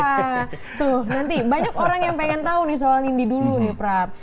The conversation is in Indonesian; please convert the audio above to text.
wah tuh nanti banyak orang yang pengen tahu nih soal nindi dulu nih prap